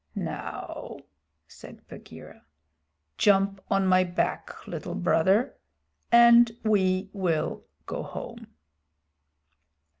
"Now," said Bagheera, "jump on my back, Little Brother, and we will go home."